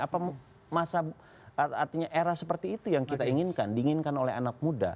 apa masa artinya era seperti itu yang kita inginkan diinginkan oleh anak muda